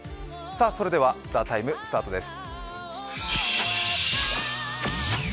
それでは「ＴＨＥＴＩＭＥ，」スタートです。